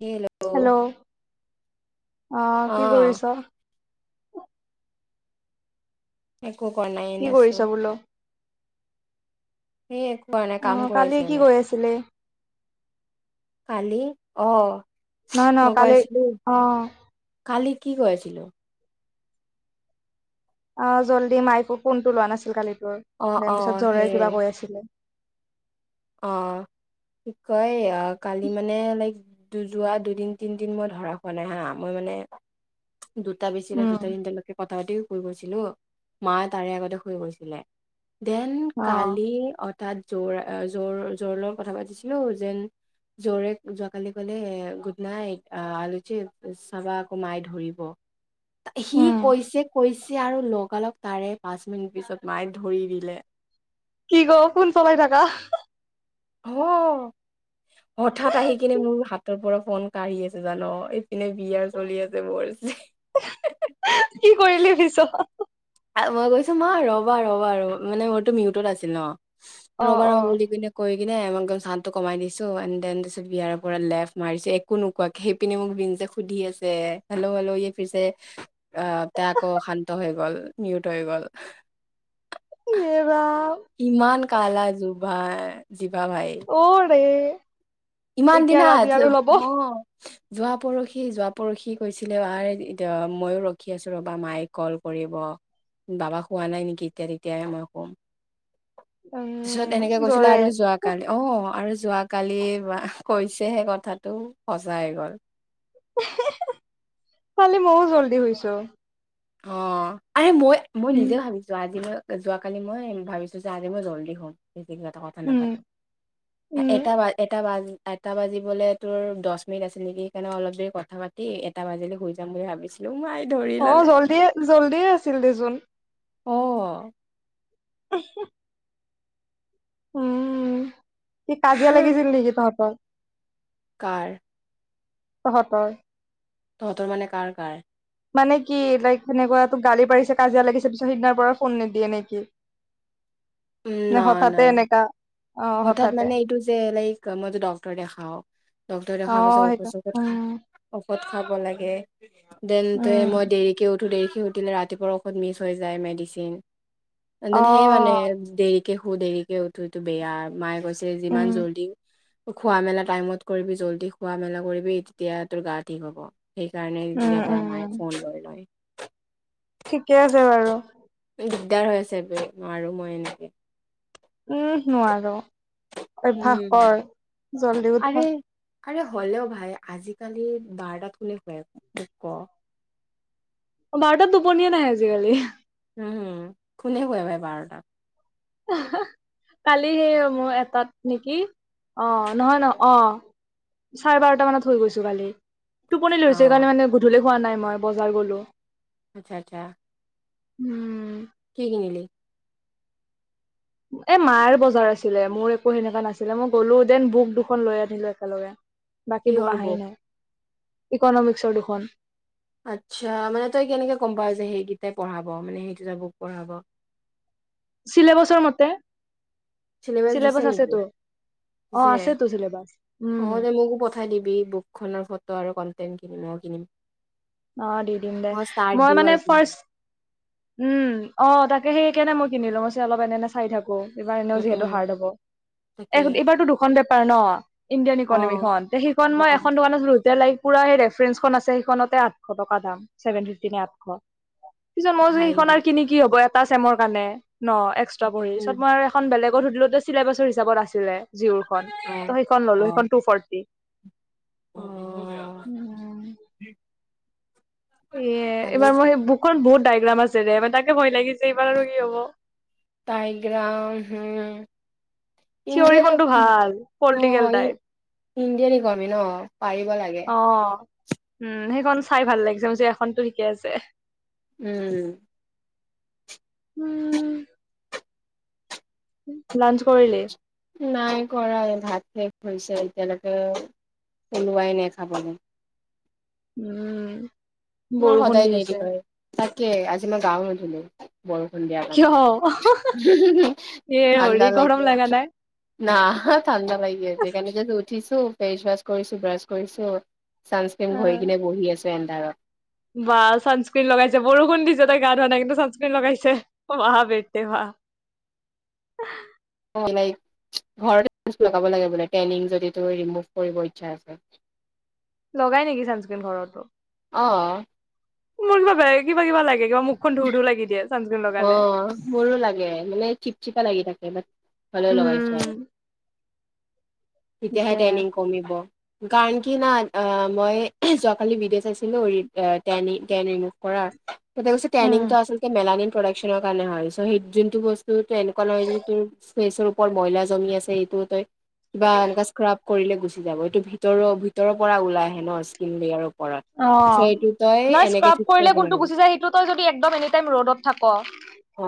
Hello hello, আহ অ কি কৰিছ? কো কণাই কি আনে কৰিছ আছোঁ। বোলো নাই কাম অঁ কৰি কালি আছো কি এনে গৈ আছিলে? কালি, অঁ নহয়-নহয় কালি, অঁ কালি কি কৈ আছিলো? অ' জল্দি মাইক ফোনটো লোৱা নাছিল কালিত। অ অ দেন পিছত জ্বৰেৰে কিবা কৈ আছিলে। অঁ, কি কই কালি মানে লাইক দু যোৱা দুদিন, তিনদিন মই ধৰা হোৱা নাই হা। মই মানে? দুটা বেছিলে উম দুটা তিনটালৈকে তাহতে শুই গৈছিলো মা তাৰে আগতে শুই গৈছিলে। দেন অ কালি তাত জোৰা অ' জো জ-জৰে লগ কথা পাতিছিলো, যেন জৰে যোৱাকালি কলে এ গুড নাইট আলোচী চাবা আকৌ মাই ধৰিব। সি উম কৈছে-কৈছে। আৰু লগালক তাৰে পাঁচ মিনিট পিছত মায়ে ধৰি দিলে। কি কৰো ফোন চলাই থাকা। অ' হঠাৎ আহি কিনে মোৰ হাতৰ পৰা ফোন কাঢ়ি আছে জান এইপিনে বিয়াৰ চলি আছে। বৰ কি কৰিলে পিছত মই গৈছো মই ৰবা-ৰবা ৰ মানে মোৰতো মিউটত আছিল ন। অ অ ৰবা-ৰবা বুলি কিনে কৈ, স কিনে মই একদম চাওন টো কমাই দিছো। এন দেন তাৰপিছত বিয়াৰৰ পৰা লেফ মাৰিছো একো নোকোৱাকে সেইপিনে মোক বিন যে সুধি আছে। হেল্লো-হেল্লো, ই ফিছে অহ, ত আকৌ অ, শান্ত হৈ গ'ল। মিয়ুদ হৈ গল। [inaudible] ইমান কাল আজু। বাই দিবা ভাই অ ৰে ইমান এতিয়া দিনা ৰাজি আৰু ল'ব হ' যোৱা পৰহি, যোৱা পৰহি কৈছিলে আ এ মই ৰখি আছো ৰবা মায়ে কল কৰিব বাবা হোৱা নাই নেকি এতিয়া তেতিয় মই কম। তাৰ পিছত উম এনেকে কৈছিলে জৰে আৰু যোৱ কালি অ', আৰু যোৱাকালি কৈছেহে কথাটো সজাই গ'ল। খালি মইও জল্দি শুইচো অ' আৰে মই মই নিজে ভাবিছো আজি মই যোৱাকালি মই ভাবিছো যে, আজি মই জল্দি শুম। এই খিনি কিবা এটা কথা উম নাপাতো উম এটা বা এটা বাজ এটা বাজিবলৈ তোৰ দহ মিনিট আছিল নেকি? সেইকাৰণে অলপ দেৰি কথা পাতি এটা বাজিলে শুই যাম বুলি ভাবিছিলো মই। অ, জল্দি জল্দিয়ে আছিল দেচোন। অ', আহ [unintelligible] উম', স কাজিয়া হা, লাগিছিল নেকি তহঁতৰ। কাৰ? তহঁতৰ? তহঁতৰ মানে কাৰ-কাৰ। মানে কি লাইক সেনেকুৱা তোক গালি পাৰিছে কাজিয়া লাগিছে পিছত সিদিনাৰ পৰা ফোন নিদিয়ে নেকি। ন হঠাতে এনেকা। অ হঠাৎ হঠাতে মানে এইটো যে লাইক মত ডক্টৰ দেখাওঁ ডটৰ অ দেখাব পাই যা সেইটো অঔুযোগত উম ঔষধ খাব লাগে। দেন ত উম মই দেৰিকে উঠো দেৰিক উঠিলে ৰাতিপুৱা ঔষধ মিছ হৈ যায় মেডিচিন। অ [inaudible] সেয়ে মানে দে। কে শু দেৰিকে উঠো এইটো বেয়া। মায়ে কৈছে। যিমান উম জল্দি। খোৱা মেলা টাইমত কৰিবি, জলদি খোৱা মেলা কৰিবি, তেতিয়া তোৰ গা ঠিক হ'ব। সেইকাৰণে উম তেতিয়াৰ পৰা মায়ে উম ফোন কৰি লয়। ঠিকে আছে বাৰু। দিগদাৰ হৈ আছে নোৱাৰো মই এনেকে। উম নোৱাৰ অভ্যাস উম কৰ। জলদি আৰে উঠা। আৰে হ'লেও ভাই আজিকালি বাৰ তাত কোনে শুনে মোক ক। বাৰটাত টোপনিয়ে নাহে আজিকালি। উম কোনে শুৱে ভাই বাৰটা কালি সেই মোৰ এটাত নেকি অ' নহয় ন অ' চাৰে বাৰটা মানত শুই গৈছো কালি। টোপনি অ লৈছে স কাৰণে মানে গধূলি হোৱা নাই মই বজাৰ গলো। আচ্ছা আচ্ছা। উম। কি কিনিলি? এ মাৰ বজাৰ আছিলে, মোৰ একো সেনেকুৱা নাছিলে, মই গ'লো দেন বুক দুখন লৈ আনিলো একেলগে। বাকীবোৰ কিহৰ কাহাই বুক? নাই। ইকনমিক্সৰ দুখন। আচ্ছা মানে তই কেনেকে গম পাৱ যে সেইকেইটাই পঢ়াব মানে সেইকটা বুক পঢ়াব। চিলেবাছৰ মতে। চিলেবাছ দিছে নেকি। অ আছেতো চিলেবাছ উম অ' দে মোকো পঠাই দিবি বুক খনৰ ফটো আৰু ক তেনকি নিম নগি নিম। অ' দি দিম দে মই মানে আৰু ফাৰ পঢ়া। উম অ' তাক সেইকেনে মই কিনি লওঁ, অবচে অলপ এনে-এনে চাই থাকো। এইবাৰ এনেও উম, যিহেতু উম, হাৰ্ড হব তাকে এইবাৰতো দুখন [unintelligible] ইণ্ডিয়ান অ', ইকনমিখন সিখন অ', মই অ', এখন দোকানত এ লাইক পুৰা সেই ৰেফাৰেন্ঞ্চখন আছে সেইখনতে আ আশ টকা দাম চেভেন ফিফটি ন আঠশ। পিছত মই যে ভাই সেইখন উম, আৰু কিনি কি হব এটা চেমৰ কাৰনে। ন এক্সট্ৰা পঢ়ি পিচত মই আৰু এখন বেলেগত সধোতলো চিলেবাছৰ হিচাপত আ লে জিঅ'ৰ খন। অ', তো হেইখন ল'লো অ', সেইখন টু ফৰ্টি। অ'। উম। এ ভালেই এইবাৰ মই চোন। সেই বুকখন বহুত দায় [inaudible] আছে দে, মানে তাকে ভয় লাগিছে, এইবাৰ আৰু কি হব। দাইগ্ৰম হম। ইণ্ডিয়ান থিয়ৰিখনতো ভাল অ পলিটিকেল টাইপ ইণ্ডিয়ান ইকনোমি ন পাৰিব লাগে। অ উম সেইখন চাই ভাল লাগিছে যে এখনতো থিকে আছে। উম। উম। লানছ কৰিলি? নাই কৰাই ভাত শেষ হৈছে, এতিয়ালৈকে ওলোৱাই নাই খাবলৈ। উম। তোমাৰ বৰষুণ সদায় দি দেৰি আছে হয় আজি মই গাঁও নোধোলো। বৰষুণ দিয়া কিয় কাৰানে এ হৰি ঠাণ্ডা গৰম লাগে লগা নাই ন ঠাণ্ডা লাগি আছে সেইকাৰণে যাচট উঠিছো ফেচ ৱাছ কৰিছো ব্ৰাছ কৰিছো। ছানস্ক্ৰীণম ঘহি কিনে বহি আছো। তেনদাৰৰ। বাাহ চানস্ক্ৰিন লগাইছে বৰষুণ দিচে তাই গা ধোৱা নাই কিন্তু চানস্ক্ৰিন লগাইছে ৱাহ বেতে ৱাহ। লাইক ঘৰতে- লগাব লাগে বোলে। ট্যানিং যদি তোৰ ৰিমোভ কৰিব ইচ্ছা আছে। লগাই নেকি ছানস্ক্ৰীণ ঘৰতো? অ। মোৰ কিবা কিবা লাগে। কিবা মুখখন ধুহ ধুহ লগি দিয়ে। চানস্ক্ৰীন অ, লগালে মোৰো লাগে মানে, চিপ-চিপা লাগি থাকে। বাত হলেও লগাইছো আৰু। তেতিয়াহে সেইটোৱে ট্ৰেইনিং কমিব। কাৰণ কি না মই যোৱাকালি ভিডিঅ' চাইছিলো টেন ৰিমভ কৰা। [inaudible] উম টেনিংটো আছিল মেলানিন। প্ৰডাকচনৰ কাৰণে হয় সেই যোনটো বস্তু ত এনেকুৱা নহয় তোৰ ওপৰত ব্ৰইলাৰ জমি আছে সেইটো তই বা এনেকুৱাই ইচ্ কাপ কৰিলে গুচি যাব এইটো ভিতৰৰ, ভিতৰৰ পৰা ওলাই আহে ন স্কিন বয়াৰ। অঁ নাই স্ক্ৰাব ঠিক কৰিলে কৰিব কোনটো নোৱাৰ গুচি যায় সেইটো তই যদি একদম এনিটাইম ৰ'দত থাক অ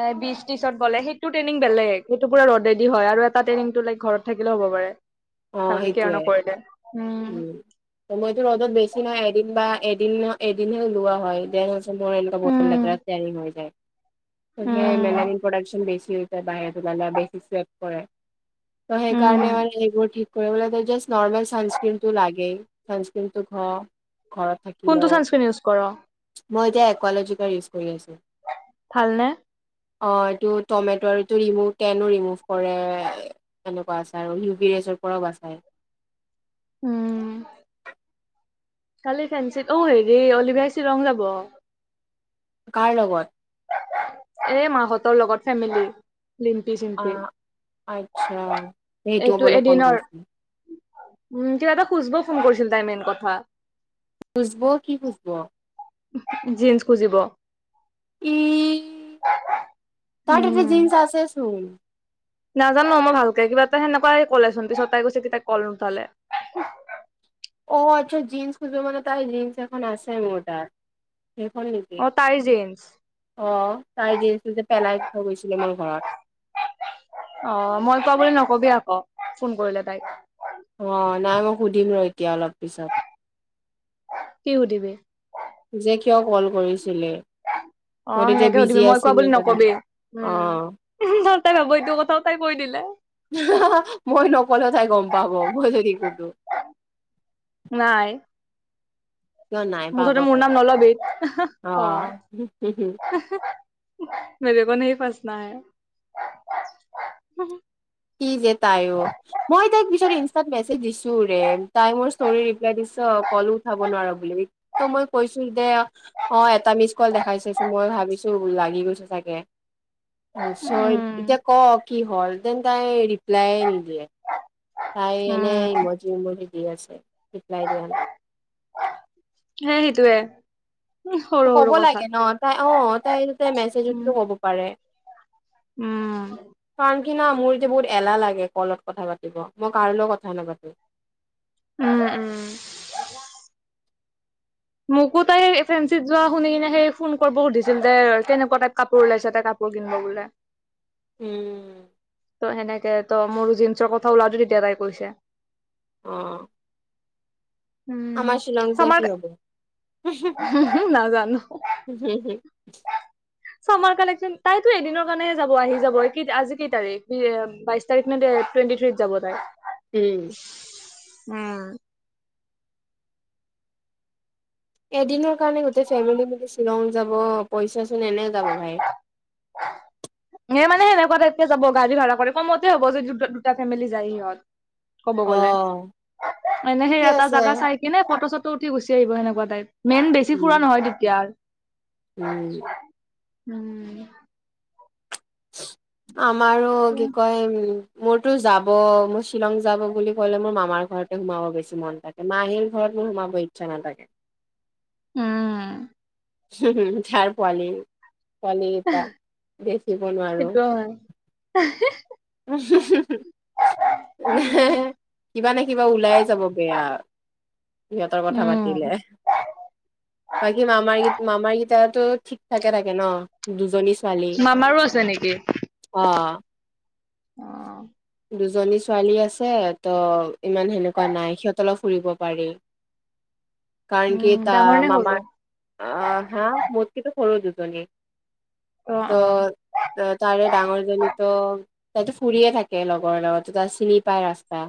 এ বি ত্ৰিছত বলে সেইটো ট্ৰেইনিং বেলেগ সেইটো পুৰা ৰদৰেদি হয়। আৰু এটা ট্ৰেইনিংটো ল ঘৰত থাকিলেও হ'ব পাৰে। অ ভালকৈ কেয়াৰ সেইটোয়ে নকৰিলে উম, সময়তো ৰ'দত বেছি নাই, এদিন বা এদিন এদিনহে লোৱা হয় দেনচ মোৰ এনেকুৱা বৰম উম লেতেৰাত য়াৰী হৈ যায় তে উম মেলাৰিয়েল প্ৰডশন বেছ বাহিৰৰে ওলালে আৰু বেছি চেভ কৰে তই সেইকাৰনে উম মানে সেবোৰ ঠিক ক জেষ্ট নৰ্মল চাই্ কিম টো লাগে চানস্ক্ৰিন টো ঘ কোনটো চানস্ক্ৰিন ইউজ কৰ মই এতিয়া একলজিক ইউজ কৰি আছো ভালনে? অঁ, এইটো টমেট এইটো ৰিমোভ টেনো ৰিমোভ কৰে, এনেকুৱা আছে। আৰু ইউ বি ৰেচৰ পৰাও বাচায়। উম, কালি ফেঞ্চিত, অঁ হেৰি অলিভাই শ্বিলং যাব। কাৰ লগত? এ মাক হঁতৰ লগত ফেমিলি লিম্পি চিম্পি আঁহ আচ্ছা সেইটো এইটো কবলৈ ফোন এদিনৰ কৰিছিলো। উম কিবা এটা খুজিব ফোন কৰিছিল তাই মেইন কথা খুজিব কি খুজিব জিন্স খুঁজিব ই উম [unintelligible] জিনছ আছেচোন নাজানো মই ভালকে কিবা এটা সেনেকুৱাই ক'লেচোন পিছত তাই কৈছে কি তাই কল নুঠালে অঁ আচ্ছা জিন্স [unintelligible] বনাতে জিন্স মান আছে মোৰ তাৰ সেইখন নেকি, অ' তাইৰ জীন্চ অঁ', তাই জিনছটো যে পেলাই থৈ গৈছিলে, মোৰ ঘৰত। অঁ ফোন কৰিলে তাই অ', নাই মই সুধিম ৰ' এতিয়া অলপ পিছত। কি সুধিবি। যে কিয় কল কৰিছ ছিলে। মই অ' তেতিয়া সেনেকে বিজি সুধিবি মই কোৱা আছিলো বুলি সেইকাৰণে। নকবি উম। অ', তাই ভাবো এইটো কথাও তাই কৈ দিলে মই নকলেওঁ তাই গম পাব। মই যদি সুধু। নাই মুঠতে মোৰ তাই নাম নলবি অ মেৰেকো নেহী ফচনা হ্যেয়্‌। কি যে তাইয়ো মই তাইক পিছত ইনষ্টাত মেছেজ দিছো ৰে তাই মোৰ ষ্টৰি ৰিপ্লাই দিছ কলো উঠাব নোৱাৰো বুলি ত মই কৈছো যে অ এটা মিছ কল দেখাইছে মই ভাবিছো লাগি গৈছে চাগে। চয় এতিয়া কওক কি হ'ল। ডেন কাই ৰিপ্লাই নিদিয়ে তাই এনে ই মজি-ইমজি দি আছে ৰিপ্লাই দিয়া নাই হে সেইটোৱে উম, ত‌ই সৰু ক'ব সৰু কথাত লাগে ন। তাই অ', তাই তাতে উম। মেছেজতটো ক'ব পাৰে। উম কিনা, মোৰ এতিয়া বহুত এলাহ লাগে কলত কথা পাতিব। মই কাৰো লৈ কথা নাপাতো। উম, উম। মোকো তাই সেই ফেঞ্চিত যোৱা শুনি কিনে সেই ফোন কৰিব সুধিছিল দে কেনেকুৱা টাইপ কাপোৰ ওলাইছে তাই কাপোৰ কিনিব বোলে উম ত' সেনেকে ত মোৰ জিন্সৰ কথা ওলাওঁতে তেতিয়া তাই কৈছে। অ' উম', আমাৰ শ্বিলং যোৱা কি সমাতে হ'ব উহো উহো নাজানো। [inaudible] চামাৰ কালেকচন, তাইতো এদিনৰ কাৰণেহে যাব, আহি যাব। এ কি আজি কি তাৰিখ বি এ বাইশ তাৰিখ নে টুৱেণ্টি থ্ৰীত যাব তাই। উম উম এদিনৰ কাৰণে গোটেই ফেমিলি মিলি শ্বিলং যাব পইচাচোন এনে যাব ভাই সে মানে সেনেকুৱা টাইতে যাব গাড়ী ভাড়া কৰি কমতে হ'ব। যদি দু-দুটা ফেমিলি যায় সিহঁত। কব অ গ'লে, অ', সেই ঠিকে এটা আছে জাগা চাই কিনে ফটো-চটো উঠি গুচি আহিব সেনেকুৱা টাইপ। মেইন বেছি উম ফুৰা নহয়, তেতিয়া আৰ উম। উম। উ আমাৰো কি উম কয়। মোৰতো যাব মোৰ শ্বিলং যাব বুলি ক'লে মোৰ মামাৰ ঘৰতে সোমাব বেছি মন থাকে মাহীৰ ঘৰত মোৰ সোমাব ইচ্ছা নাথাকে। ধাৰ পোৱালি। পোৱালিকেইটা বেচিব নোৱাৰো। সেইটো হয় হে হেউ নাই, কিবা না কিবা ওলাইে যাব বেয়া। সিহঁতৰ কথা উম পাতিলেহ বাকী মামাৰ কিত মামাৰ কিতাৰতু ঠিক-ঠাকে থাকে ন', দুজনী ছো- - মামাৰো আছে নেকি? অ অ দুজনী ছোৱালী আছে ত' ইমান সেনেকুৱা নাই সিহঁত অলপ ফুৰিব পাৰি। কাৰণ কি উম ডাঙৰ তাৰ নে সৰু মামাৰ অ', হা মোতকেতু সৰু দুজনি অ অ ত' এ তাৰে ডাঙৰজনীতো তাইতো ফুৰিয়ে থাকে লগৰ লগতো তাত চিনি পাই ৰাস্তা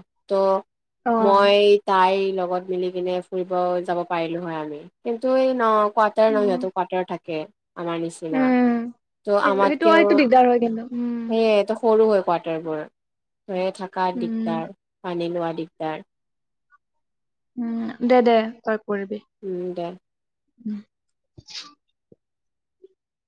অ ত' মই তাই লগ লগত মিলি কিনে ফুৰিব, যাব পাৰিলো হয় আমি। কিন্তু ন কোৱাটাৰ লয় উম সিহঁতে কোৱাটাৰ থাকে। আমাৰ নিচিনা। উম ত' সেইটো সেইটো আমাতকেও সেইটো দিগদাৰ হয় কিন্তু উম সেয়ে তখ সৰু হয় কোৱাটাৰবোৰ। ৰয়ে থাকা উম দিগদাৰ। পানী লোৱা দিগদাৰ। উম', দে-দে ত‌ই উম, দে। [unintelligible]